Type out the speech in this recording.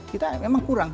kita memang kurang